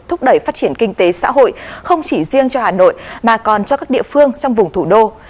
thúc đẩy phát triển kinh tế xã hội không chỉ riêng cho hà nội mà còn cho các địa phương trong vùng thủ đô